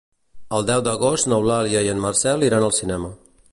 El deu d'agost n'Eulàlia i en Marcel iran al cinema.